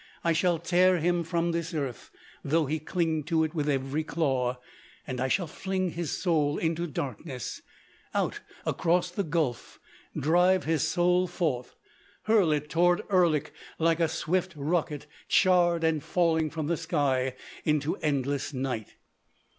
I shall tear him from this earth, though he cling to it with every claw; and I shall fling his soul into darkness—out across the gulf—drive his soul forth—hurl it toward Erlik like a swift rocket charred and falling from the sky into endless night.